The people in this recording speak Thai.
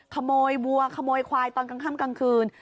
คโมยวัวคโมยขวายตอนครั้งกำคืน